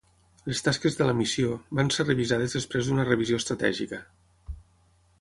Les tasques de la missió van ser revisades després d'una revisió estratègica.